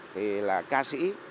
thì là ca sĩ